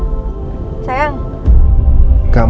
mungkin kayaknya kalo cuma hubungan biasa